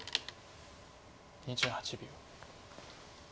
２８秒。